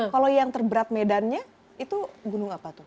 kalau yang terberat medannya itu gunung apa tuh